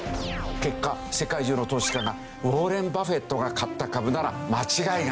結果世界中の投資家がウォーレン・バフェットが買った株なら間違いがない。